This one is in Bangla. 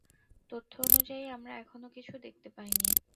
তথ্য অনুযায়ী আমরা এখনও কিছু দেখতে পাইনি।